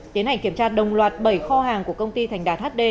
tiến hành kiểm tra đồng loạt bảy kho hàng của công ty thành đạt hd